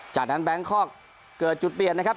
จากนั้นแบงคอกเกิดจุดเปลี่ยนนะครับ